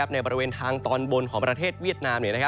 บริเวณทางตอนบนของประเทศเวียดนาม